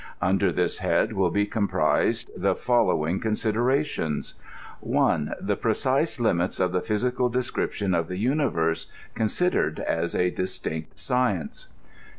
Under this head will be comprised the foUowing considerations : 1. The precise limits of the physical description of the uni verse, considered as a distinct science.